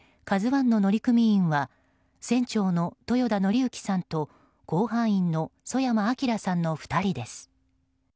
「ＫＡＺＵ１」の乗組員は船長の豊田徳幸さんと甲板員の曽山聖さんの２人です。